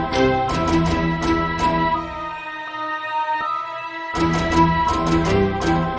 ก็ไม่น่าจะดังกึ่งนะ